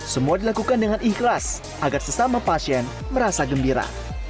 semua dilakukan dengan ikhlas agar sesama pasien merasa gembira